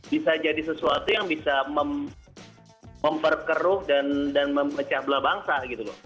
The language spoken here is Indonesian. bisa jadi sesuatu yang bisa memperkeruh dan memecah belah bangsa gitu loh